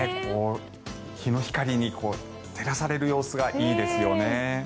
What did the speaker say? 日の光に照らされる様子がいいですよね。